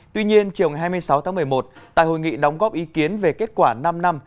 tuy nhiên chiều hai mươi sáu tháng một mươi một tại hội nghị đóng góp ý kiến về kết quả năm năm